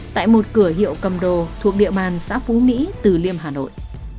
tại một cửa hiệu cầm đồ thuộc địa bàn xã phú mỹ từ liêm hà nội